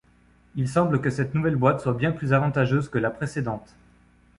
Il semble que cette nouvelle boîte soit bien plus avantageuse que la précédente.